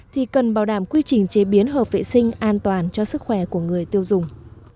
thì cần bảo đảm quy trình chế biến hợp vệ sinh an toàn cho sức khỏe của người tiêu dùng